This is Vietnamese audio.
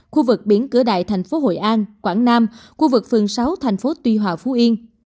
khu vực biển cửa đại thành phố hội an quảng nam khu vực phường sáu thành phố tuy hòa phú yên